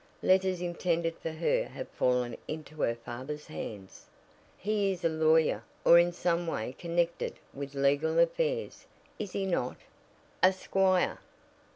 Letters intended for her have fallen into her father's hands. He is a lawyer, or in some way connected with legal affairs, is he not?" "A squire."